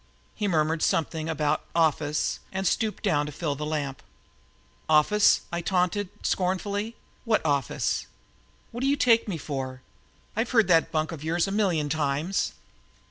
He murmured something about "office" and stooped down to fill the lamp. "Office!" I taunted scornfully, "what office? What do you take me for? I've heard that bunk of yours a million times."